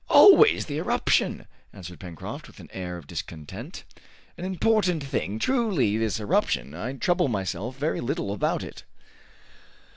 always the eruption!" answered Pencroft, with an air of discontent. "An important thing, truly, this eruption! I trouble myself very little about it."